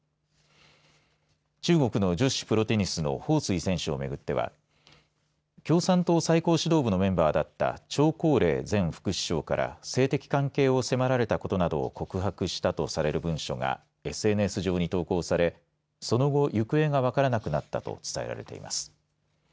中国の女子プロテニスの彭帥選手をめぐっては共産党最高指導部のメンバーだった張高麗前副首相から性的関係を迫られたことなどを告白したとされる文書がＳＮＳ上に投稿されその後、行方が分からなくなったと伝えられています。